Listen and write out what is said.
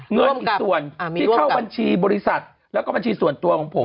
เงินอีกส่วนที่เข้าบัญชีบริษัทแล้วก็บัญชีส่วนตัวของผม